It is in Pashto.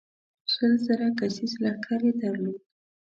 شل زره کسیز لښکر یې درلود.